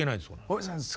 大泉さん